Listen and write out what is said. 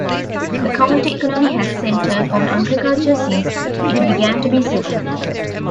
The county economy has centered on agriculture since it began to be settled.